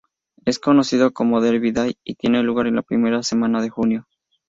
Es conocido como "Derby Day" y tiene lugar la primera semana de junio.